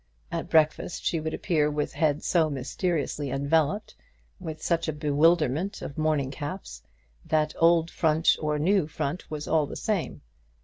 At breakfast she would appear with head so mysteriously enveloped, with such a bewilderment of morning caps, that old "front" or new "front" was all the same.